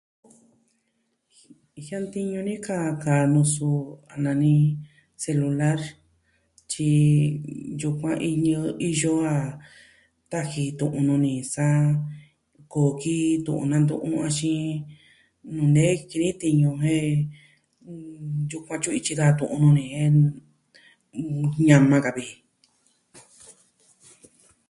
Jiantiñu ni kaa kaa nusu selular, tyi yukuan iñɨ iyo a taji tu'un ni sa koo ki tu nantu'u axin nee ki ni tiñu jen yukuan tyu'u ityi da tu'un ne'en ña'ma ka vi.